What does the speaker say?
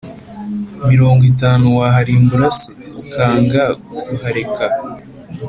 Mirongo itanu waharimbura se ukanga kuhareka